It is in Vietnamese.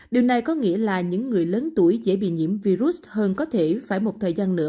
điều này có nghĩa là những người lớn tuổi dễ bị nhiễm virus hơn có thể phải một thời gian nữa